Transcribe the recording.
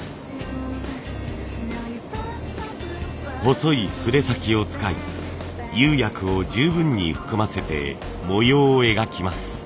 細い筆先を使い釉薬を十分に含ませて模様を描きます。